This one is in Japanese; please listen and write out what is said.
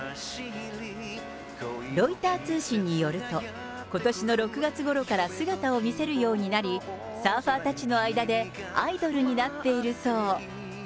ロイター通信によると、ことしの６月ごろから姿を見せるようになり、サーファーたちの間でアイドルになっているそう。